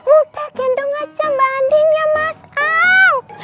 udah gendong aja mbak andin ya mas ang